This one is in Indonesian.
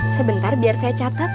sebentar biar saya catet